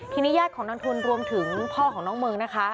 ทีนี้ญาติของนางทุนรวมถึงพ่อของน้องเมิงนะคะ